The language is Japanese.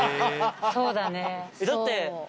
そうだね。